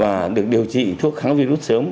và được điều trị thuốc kháng virus sớm